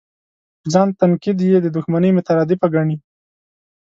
په ځان تنقید یې د دوښمنۍ مترادفه ګڼي.